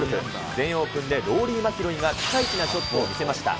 全英オープンで、ローリー・マキロイがピカイチなショットを見せました。